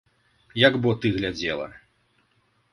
Як бо ты глядзела!